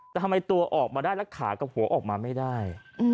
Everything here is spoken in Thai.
แต่ทำไมตัวออกมาได้แล้วขากับหัวออกมาไม่ได้